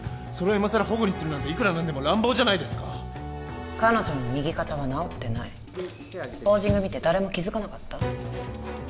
それを今さら反故にするなんていくら何でも乱暴じゃないですか彼女の右肩は治ってないポージング見て誰も気づかなかった？